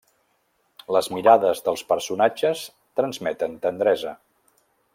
Les mirades dels personatges transmeten tendresa.